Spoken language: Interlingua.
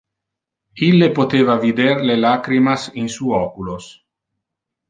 Ille poteva vider le lacrimas in su oculos.